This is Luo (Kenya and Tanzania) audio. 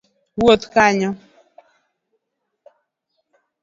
Iwuotho kanye